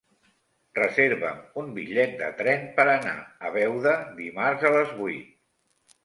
Reserva'm un bitllet de tren per anar a Beuda dimarts a les vuit.